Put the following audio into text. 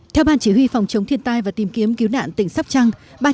theo ban chỉ huy phòng chống thiên tai và tìm kiếm cứu nạn tỉnh sóc trăng